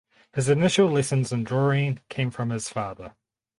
His initial lessons in drawing came from his father.